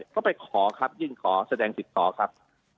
ก็ไปขอครับยิ่งขอแสดงสิทธิ์ขอครับ